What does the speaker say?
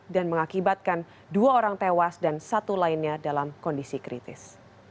dan mengakibatkan dua orang tewas dan satu lainnya dalam kondisi kritis